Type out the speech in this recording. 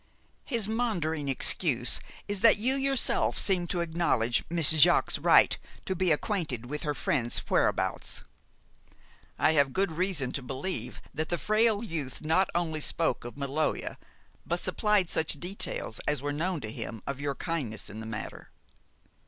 His maundering excuse is that you yourself seemed to acknowledge Miss Jaques's right to be acquainted with her friend's whereabouts. I have good reason to believe that the frail youth not only spoke of Maloja, but supplied such details as were known to him of your kindness in the matter.